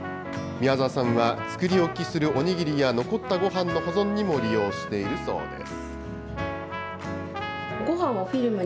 宮澤さんは、作り置きするお握りや残ったごはんの保存にも利用しているそうです。